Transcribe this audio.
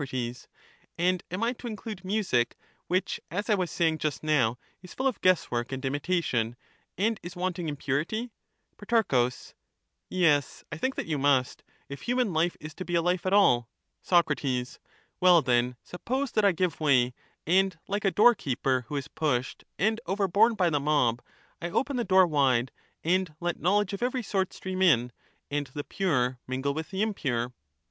day life. Soc, And am I to include music, which, as I was saying just now, is full of guesswork and imitation, and is wanting in purity ? Pro, Yes, I think that you must, if human life is to be a life at all. Soc, Well, then, suppose that I give way, and, like a doorkeeper who is pushed and overborne by the mob, I open the door wide, and let knowledge of every sort stream in, and the pure mingle with the impure